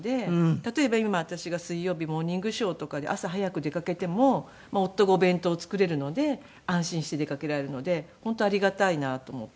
例えば今私が水曜日『モーニングショー』とかで朝早く出かけても夫がお弁当を作れるので安心して出かけられるので本当ありがたいなと思って。